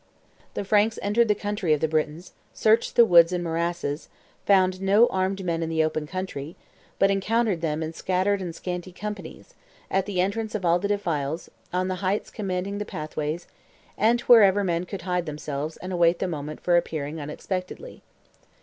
The Franks entered the country of the Britons, searched the woods and morasses, found no armed men in the open country, but encountered them in scattered and scanty companies, at the entrance of all the defiles, on the heights commanding pathways, and wherever men could hide themselves and await the moment for appearing unexpectedly.